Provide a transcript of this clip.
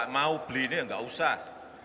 kalau mau beli ini enggak usah